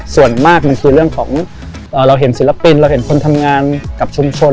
ส่วนมากมันคือเรื่องของเราเห็นศิลปินเราเห็นคนทำงานกับชุมชน